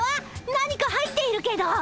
何か入っているけど。